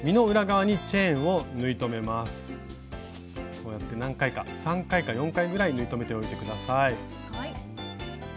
こうやって何回か３回か４回ぐらい縫い留めておいて下さい。